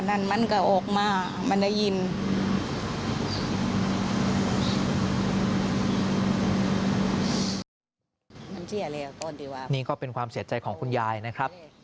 นี่ก็เป็นความเสียใจของคุณยายนะครับ